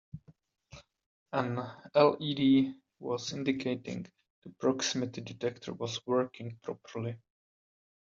An LED was indicating the proximity detector was working properly.